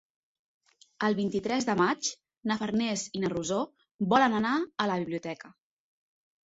El vint-i-tres de maig na Farners i na Rosó volen anar a la biblioteca.